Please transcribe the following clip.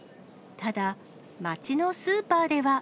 ただ、街のスーパーでは。